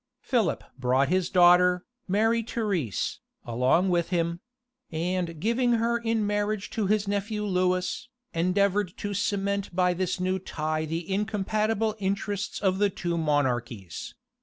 Philip brought his daughter, Mary Therese, along with him; and giving her in marriage to his nephew Louis, endeavored to cement by this new tie the incompatible interests of the two monarchies.